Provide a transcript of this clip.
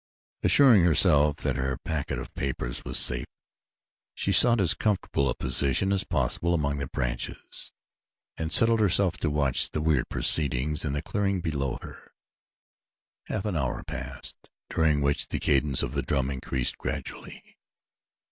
Assuring herself that her packet of papers was safe she sought as comfortable a position as possible among the branches, and settled herself to watch the weird proceedings in the clearing below her. A half hour passed, during which the cadence of the drum increased gradually.